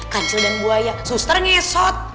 kancil dan buaya suster ngesot